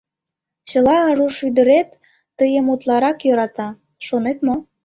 Чарла руш ӱдырет тыйым утларак йӧрата, шонет мо?